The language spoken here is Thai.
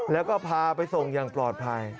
แล้วก็พาไปส่งอย่างปลอดภัย